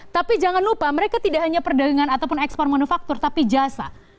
tapi jangan lupa mereka tidak hanya perdagangan ataupun ekspor manufaktur tapi jasa